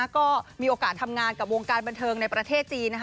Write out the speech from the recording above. ก็มีโอกาสทำงานกับวงการบันเทิงในประเทศจีน